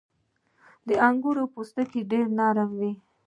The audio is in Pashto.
• د انګورو پوستکی ډېر نری وي.